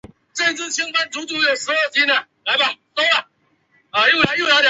萨卡文。